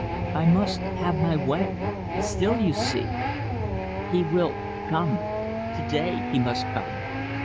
I must have my way still you see. He will come to day He must come."